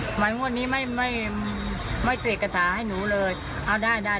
จังหวัดสุจัยธรรณีลุงพ่อรสีริ่งดำ